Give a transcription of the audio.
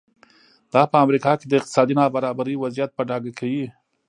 دا په امریکا کې د اقتصادي نابرابرۍ وضعیت په ډاګه کوي.